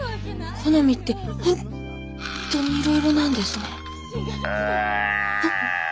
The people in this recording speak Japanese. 好みって本当にいろいろなんですね。